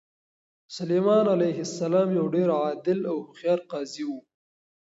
سلیمان علیه السلام یو ډېر عادل او هوښیار قاضي و.